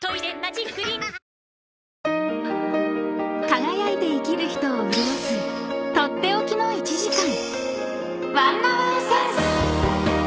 ［輝いて生きる人を潤す取って置きの１時間］